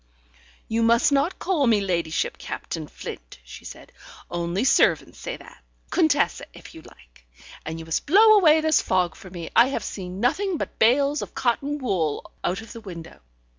"You must not call me ladyship, Captain Flint," she said. "Only servants say that. Contessa, if you like. And you must blow away this fog for me. I have seen nothing but bales of cotton wool out of the window.